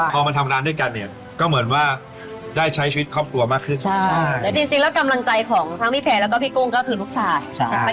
พอมาทำร้านด้วยกันเนี่ยก็เหมือนว่าได้ใช้ชีวิตครอบครัวมากขึ้นใช่แล้วจริงแล้วกำลังใจของทั้งพี่แพรแล้วก็พี่กุ้งก็คือลูกชายใช่ไหมค